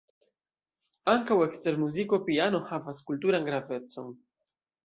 Ankaŭ ekster muziko piano havas kulturan gravecon.